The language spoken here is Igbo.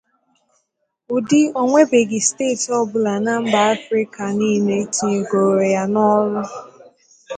ụdị o nwebeghị steeti ọbụla na mba Africa niile tinyegoro ya n'ọrụ